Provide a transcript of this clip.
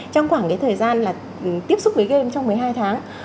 trong khoảng thời gian là tiếp xúc với game trong một mươi hai tháng